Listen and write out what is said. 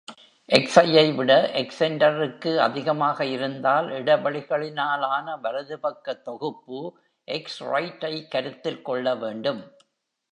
"X" ஐ விட "X centre" க்கு அதிகமாக இருந்தால், இடைவெளிகளிலான வலதுபக்க தொகுப்பு "எஸ்_ரைட்" ஐ கருத்தில் கொள்ள வேண்டும்.